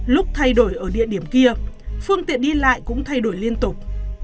lúc thay đổi ở địa điểm kia phương tiện đi lại cũng thay đổi liên tục